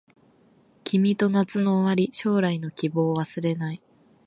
君と夏の終わり将来の希望忘れない